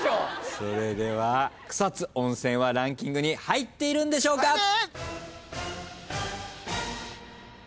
それでは草津温泉はランキングに入っているんでしょうか。